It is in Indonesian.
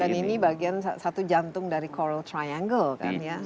dan ini bagian satu jantung dari coral triangle kan ya